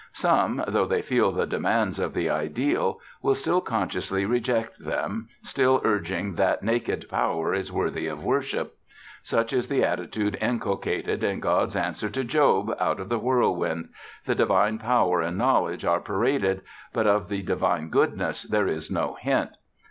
Some, though they feel the demands of the ideal, will still consciously reject them, still urging that naked Power is worthy of worship. Such is the attitude inculcated in God's answer to Job out of the whirlwind: the divine power and knowledge are paraded, but of the divine goodness there is no hint.